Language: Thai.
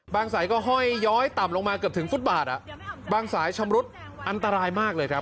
สายก็ห้อยย้อยต่ำลงมาเกือบถึงฟุตบาทบางสายชำรุดอันตรายมากเลยครับ